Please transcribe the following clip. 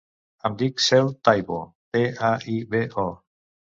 Em dic Cel Taibo: te, a, i, be, o.